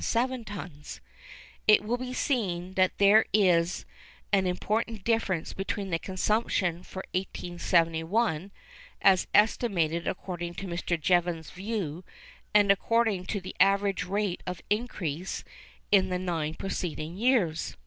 It will be seen that there is an important difference between the consumption for 1871, as estimated according to Mr. Jevons's view, and according to the average rate of increase in the nine preceding years.